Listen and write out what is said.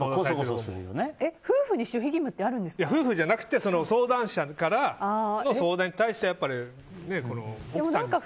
夫婦に守秘義務って夫婦じゃなくて相談者からの相談に対してやっぱり奥さんに。